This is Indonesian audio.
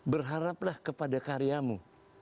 berharaplah kepada karyamu